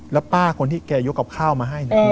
แล้วป้าคนที่แกยกกับข้าวมาให้เนี่ย